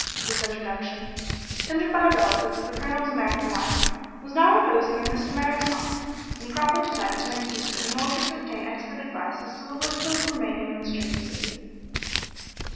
This introduction, tendered by a relative of the Colonel's American wife, was now reposing in Mr. Merrick's pocket, and he promptly decided to make use of it in order to obtain expert advice as to the wisdom of remaining in the stricken city.